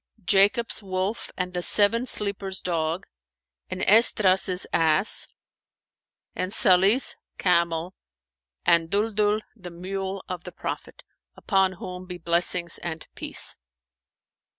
"Jacob's wolf and the Seven Sleepers' dog and Esdras's ass and Salih's camel and Duldul the mule of the Prophet (upon whom be blessings and peace!)."